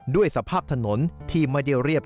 ด้วยสภาพถนนที่ไม่ได้เรียบ